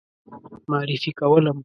معرفي کولم.